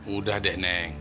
udah deh neng